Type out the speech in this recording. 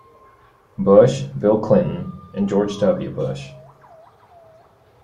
Bush, Bill Clinton and George W. Bush.